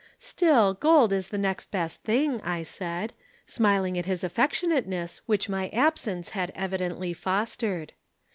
"'Still, gold is the next best thing,' I said, smiling at his affectionateness which my absence had evidently fostered.